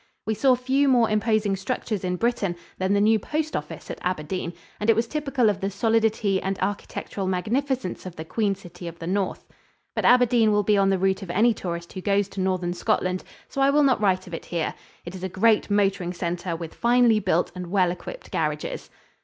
We saw few more imposing structures in Britain than the new postoffice at Aberdeen, and it was typical of the solidity and architectural magnificence of the Queen City of the North. But Aberdeen will be on the route of any tourist who goes to Northern Scotland, so I will not write of it here. It is a great motoring center, with finely built and well equipped garages.